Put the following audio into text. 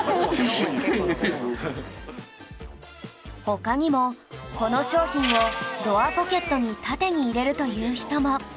他にもこの商品をドアポケットに縦に入れるという人も